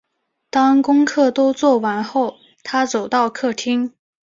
当功课都做完后，她走到客厅